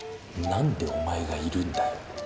何でお前がいるんだよ。